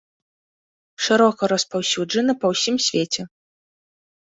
Шырока распаўсюджаны па ўсім свеце.